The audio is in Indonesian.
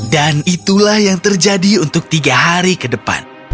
dan itulah yang terjadi untuk tiga hari ke depan